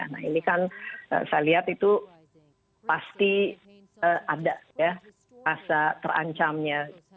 nah ini kan saya lihat itu pasti ada ya rasa terancamnya